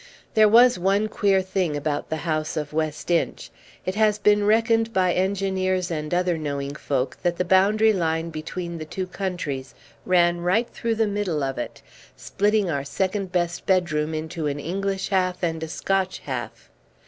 There was one queer thing about the house of West Inch. It has been reckoned by engineers and other knowing folk that the boundary line between the two countries ran right through the middle of it, splitting our second best bedroom into an English half and a Scotch half.